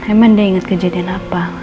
emang dia ingat kejadian apa